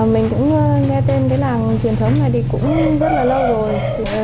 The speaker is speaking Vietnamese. mình cũng nghe tên cái làng truyền thống này thì cũng rất là lâu rồi